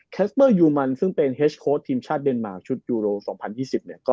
แคสเบอร์ยูมัลซึ่งเป็นเพียรทิมชาติเดนมาร์การชุดยูโรวัน๒๐๒๐